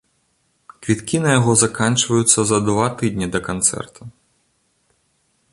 Квіткі на яго заканчваюцца за два тыдні да канцэрта.